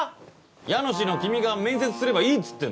家主の君が面接すればいいっつってんの。